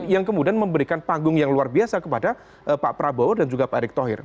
yang kemudian memberikan panggung yang luar biasa kepada pak prabowo dan juga pak erick thohir